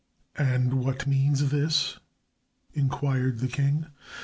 "And what means this?" inquired the king.